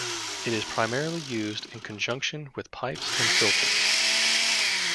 It is primarily used in conjunction with pipes and filters.